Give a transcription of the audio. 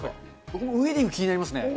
僕もウエディング気になりますね。